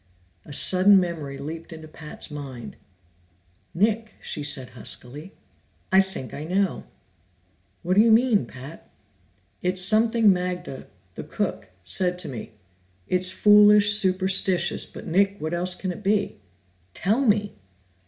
A sudden memory leaped into Pat's mind. "Nick," she said huskily, "I think I know." "What do you mean, Pat?" "It's something Magda the cook said to me. It's foolish, superstitious, but Nick, what else can it be?" "Tell me!"